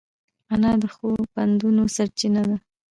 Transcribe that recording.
انا د ښو پندونو سرچینه ده